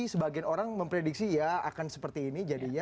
sebagian orang memprediksi ya akan seperti ini jadinya